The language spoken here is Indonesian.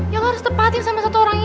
berarti ke kelas dulu ya